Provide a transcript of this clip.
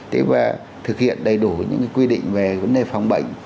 thì thực hiện đầy đủ những quy định về vấn đề phòng bệnh